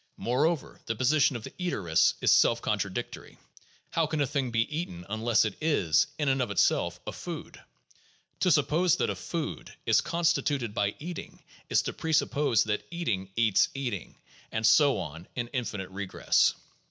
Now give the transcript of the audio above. Moreover, the position of the eaterists is self contradictory. How can a thing be eaten unless it is, in and of itself, a food 1 To suppose that a food is constituted by eating is to presuppose that eating eats eating, and so on in infinite regress.